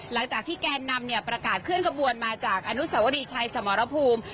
แกนนำเนี่ยประกาศเคลื่อนขบวนมาจากอนุสวรีชัยสมรภูมิ